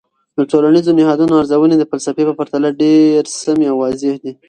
د ټولنیزو نهادونو ارزونې د فلسفې په پرتله ډیر سمی او واضح دي.